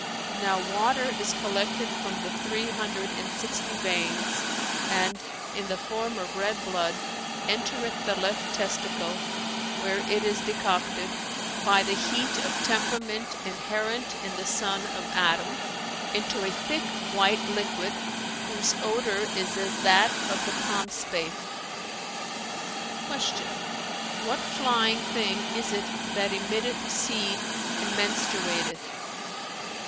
Now water is collected from the three hundred and sixty veins and, in the form of red blood, entereth the left testicle, where it is decocted, by the heat of temperament inherent in the son of Adam, into a thick, white liquid, whose odour is as that of the palm spathe." Q "What flying thing is it that emitteth seed and menstruateth?"